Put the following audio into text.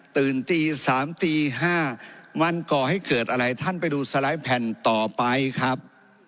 ตื่นตี๓ตี๕มันก่อให้เกิดอะไรท่านไปดูสไลด์แผ่นต่อไปครับ